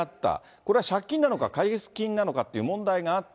これは借金なのか、解決金なのかっていう、問題があった。